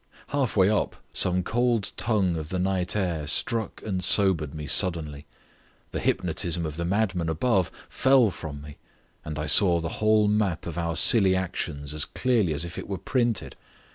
Half way up some cold tongue of the night air struck and sobered me suddenly. The hypnotism of the madman above fell from me, and I saw the whole map of our silly actions as clearly as if it were printed.